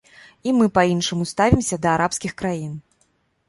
І мы па-іншаму ставімся да арабскіх краін.